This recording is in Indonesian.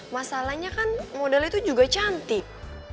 masalahnya kan modal itu juga cantik